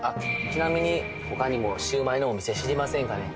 ちなみにほかにもシウマイのお店知りませんかね